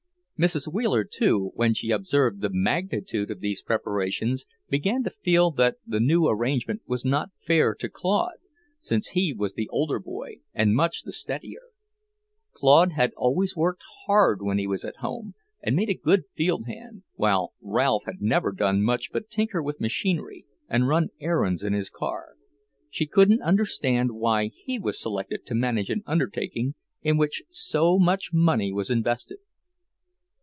Mrs. Wheeler, too, when she observed the magnitude of these preparations, began to feel that the new arrangement was not fair to Claude, since he was the older boy and much the steadier. Claude had always worked hard when he was at home, and made a good field hand, while Ralph had never done much but tinker with machinery and run errands in his car. She couldn't understand why he was selected to manage an undertaking in which so much money was invested.